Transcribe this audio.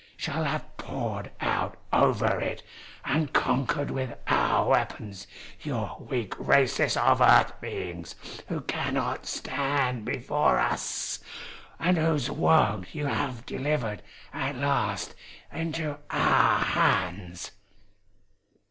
Shall have poured out over it and conquered with our weapons your weak races of Earth beings, who cannot stand before us, and whose world you have delivered at last into our hands!"